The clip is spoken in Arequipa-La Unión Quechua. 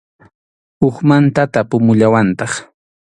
Hukmanta tapumuwallantaq.